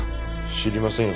知りませんよ